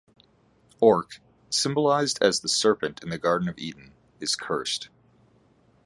Orc, symbolized as the serpent in the Garden of Eden, is cursed.